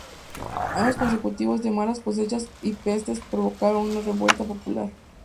Años consecutivos de malas cosechas y pestes provocaron una revuelta popular.